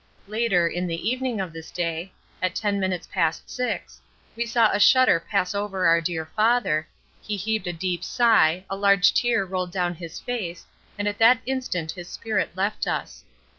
Later, in the evening of this day, at ten minutes past six, we saw a shudder pass over our dear father, he heaved a deep sigh, a large tear rolled down his face and at that instant his spirit left us.